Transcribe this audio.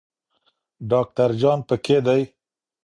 ډاکټر جان پکې دی.